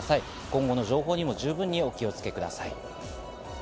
今後の情報にも十分にお気をつけください。